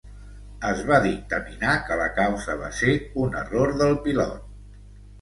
Es va dictaminar que la causa va ser un "error del pilot".